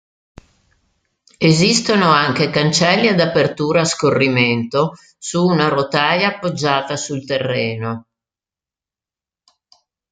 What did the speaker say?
Esistono anche cancelli ad apertura a scorrimento su una rotaia appoggiata sul terreno.